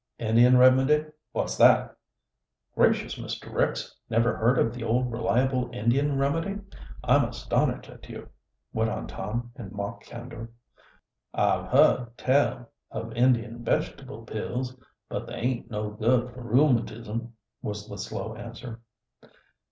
"Indian remedy, what's that?" "Gracious, Mr. Ricks! never heard of the old reliable Indian remedy? I'm astonished at you," went on Tom, in mock candor. "I've heard tell of Indian vegetable pills but they aint no good for rheumatism," was the slow answer.